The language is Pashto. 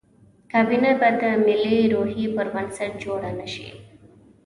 کابینه به د ملي روحیې پر بنسټ جوړه نه شي.